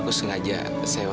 dia mungkin dekomen aja